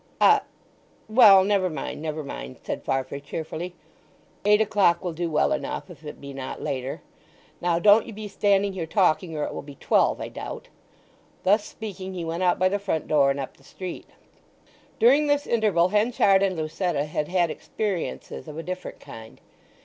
"A—well, never mind, never mind!" said Farfrae cheerily. "Eight o'clock will do well enough if it be not later. Now, don't ye be standing here talking, or it will be twelve, I doubt." Thus speaking he went out by the front door and up the street. During this interval Henchard and Lucetta had had experiences of a different kind.